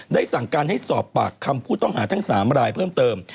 สั่งการให้สอบปากคำผู้ต้องหาทั้ง๓รายเพิ่มเติม